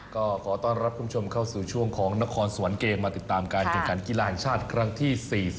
ก็ขอต้อนรับคุณผู้ชมเข้าสู่ช่วงของนครสวรรค์เกมมาติดตามการแข่งขันกีฬาแห่งชาติครั้งที่๔๐